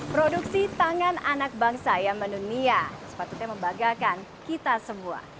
produksi tangan anak bangsa yang menunia sepatutnya membagakan kita semua